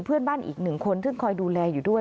เพื่อนบ้านอีกหนึ่งคนซึ่งคอยดูแลอยู่ด้วย